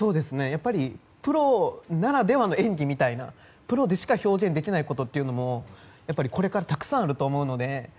やっぱりプロならではの演技みたいなプロでしか表現できないこともこれからたくさんあると思うので。